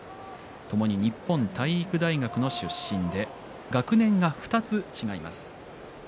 ともに日本体育大学の出身で学年が２つ違います。